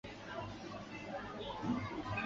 此列表延伸至友好城市列表法国。